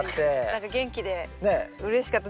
何か元気でうれしかった。